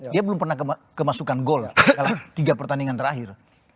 dia belum pernah kemasukan gol dalam tiga pertandingan terakhir